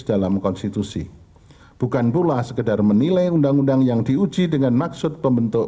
dalam konstitusi bukan pula sekedar menilai undang undang yang diuji dengan maksud pembentuk